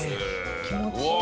気持ちいい。